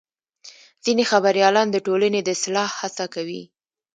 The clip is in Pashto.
ځینې خبریالان د ټولنې د اصلاح هڅه کوي.